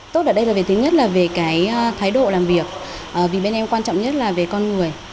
tốt ở đây là về thứ nhất là về cái thái độ làm việc vì bên em quan trọng nhất là về con người